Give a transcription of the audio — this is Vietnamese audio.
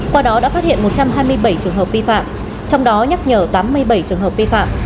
qua đó đã phát hiện một trăm hai mươi bảy trường hợp vi phạm trong đó nhắc nhở tám mươi bảy trường hợp vi phạm